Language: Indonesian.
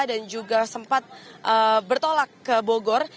juga sempat bertolak ke bogor